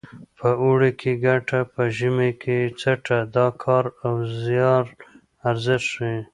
په اوړي یې ګټه په ژمي یې څټه د کار او زیار ارزښت ښيي